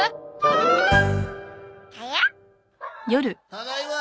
ただいま。